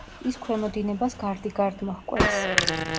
ის ქვემო დინებას გარდიგარდმო ჰკვეთს.